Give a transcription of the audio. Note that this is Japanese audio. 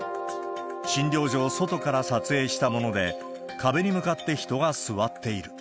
診療所を外から撮影したもので、壁に向かって人が座っている。